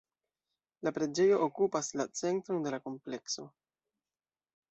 La preĝejo okupas la centron de la komplekso.